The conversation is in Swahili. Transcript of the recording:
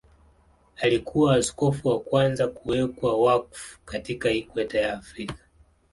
Alikuwa askofu wa kwanza kuwekwa wakfu katika Ikweta ya Afrika.